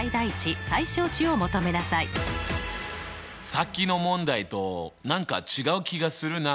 さっきの問題と何か違う気がするなあ。